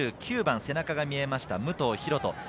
２９番、背中が見えました武藤尋斗。